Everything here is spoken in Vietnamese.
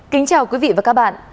kính chào quý vị và các bạn